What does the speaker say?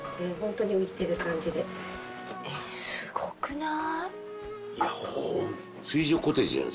すごくない？